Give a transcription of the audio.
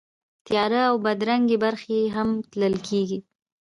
تیاره او بدرنګې برخې یې هم تلل کېږي.